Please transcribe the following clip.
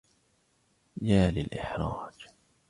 يا للإحراج!